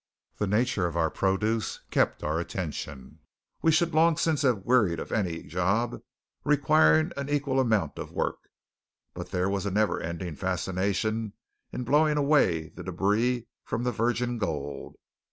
The nature of our produce kept our attention. We should long since have wearied of any other job requiring an equal amount of work, but there was a never ending fascination in blowing away the débris from the virgin gold.